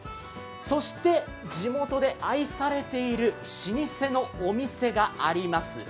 そして地元で愛されている老舗のお店があります。